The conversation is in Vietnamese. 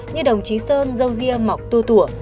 như đồng chí sơn dâu ria mọc tu tụa